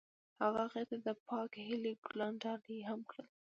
هغه هغې ته د پاک هیلې ګلان ډالۍ هم کړل.